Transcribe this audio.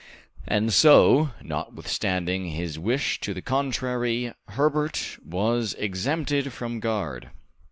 And so, notwithstanding his wish to the contrary, Herbert was exempted from guard.